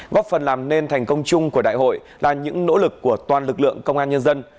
góp phần làm nên thành công chung của đại hội là những nỗ lực của toàn lực lượng công an nhân dân